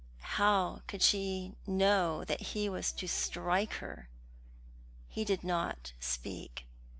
How could she know that he was to strike her? He did not speak.